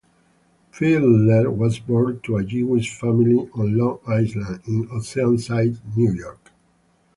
Fiedler was born to a Jewish family on Long Island in Oceanside, New York.